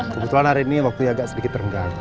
kebetulan hari ini waktunya agak sedikit renggang